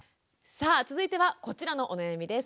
さあ続いてはこちらのお悩みです。